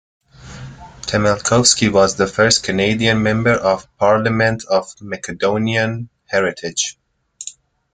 Temelkovski was the first Canadian Member of Parliament of Macedonian heritage.